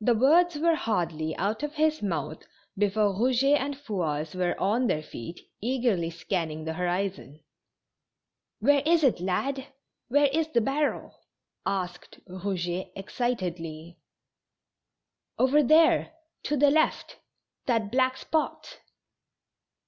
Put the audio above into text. The words were hardly out of his mouth before Eou get and Fouasse were on their feet, eagerly scanning the horizon. "Where is it, lad? Where is the barrel?" asked Eouget, excitedly. "Over there, to the left; that black spot."